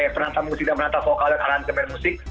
penata musik dan penata vokal dan arantemen musik